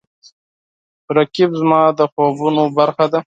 رقیب زما د خوبونو برخه ده